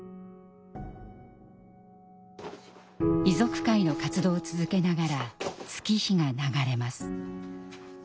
遺族会の活動を続けながら月日が流れます。